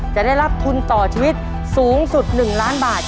จะได้รับทุนต่อชีวิตสูงสุด๑ล้านบาท